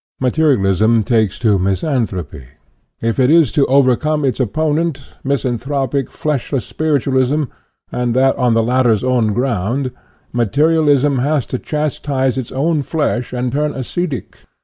Materialism takes to misanthropy. If it is to overcome its opponent, misanthropic, fleshless spiritualism, and that on the latter's own ground, materialism has to chastise its own flesh and turn ascetic.